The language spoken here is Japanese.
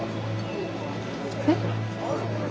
えっ？